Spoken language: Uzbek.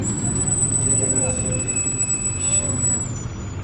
Sen gapimni tasdiqlagandayin kishnading.